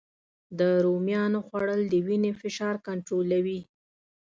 د رومیانو خوړل د وینې فشار کنټرولوي